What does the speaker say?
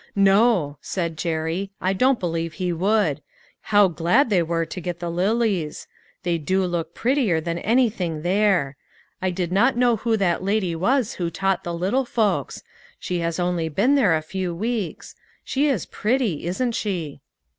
" No," said Jerry " I don't believe he would. How glad they were to get the lilies ! They do look prettier than anything there. I did not know who that lady was who taught the little folks. She has only been there a few weeks. She is pretty, isn't she